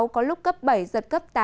có lúc cấp bảy giật cấp tám